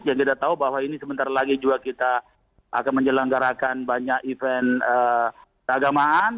yang kita tahu bahwa ini sebentar lagi juga kita akan menjelanggarakan banyak event keagamaan